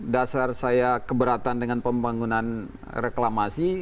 dasar saya keberatan dengan pembangunan reklamasi